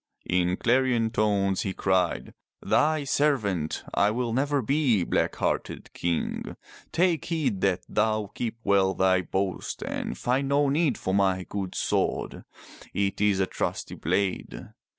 In clarion tones he cried, Thy servant I will never be, black hearted King. Take heed that thou keep well thy boast and find no need for my good sword. It is a trusty blade."